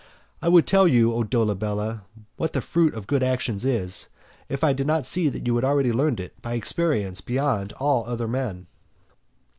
I would tell you, O Dolabella, what the fruit of good actions is, if I did not see that you have already learnt it by experience beyond all other men.